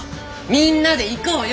みんなで行こうよ！